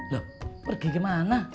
loh pergi ke mana